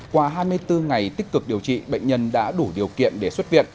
qua hai mươi bốn ngày tích cực điều trị bệnh nhân đã đủ điều kiện để xuất viện